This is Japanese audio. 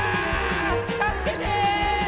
たすけて！」。